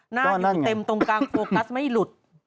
หน้าอยู่เต็มตรงกลางโฟกัสไม่หลุด